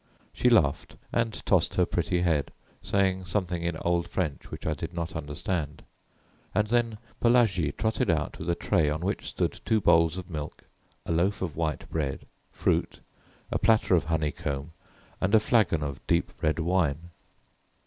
She laughed and tossed her pretty head, saying something in old French which I did not understand, and then Pelagie trotted out with a tray on which stood two bowls of milk, a loaf of white bread, fruit, a platter of honey comb, and a flagon of deep red wine.